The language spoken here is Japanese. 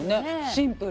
シンプル。